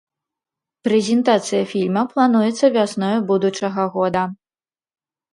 Прэзентацыя фільма плануецца вясною будучага года.